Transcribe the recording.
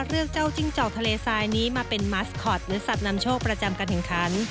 เจ้าจิ้งจอกทะเลทรายนี้มาเป็นมัสคอตหรือสัตว์นำโชคประจำการแข่งขัน